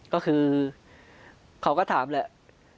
ก็คือเขาก็ถามแหละ